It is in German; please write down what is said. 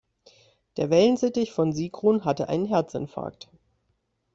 Der Wellensittich von Sigrun hatte einen Herzinfarkt.